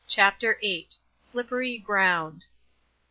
89 CHAPTER VIII. SLIPPERY GROUND.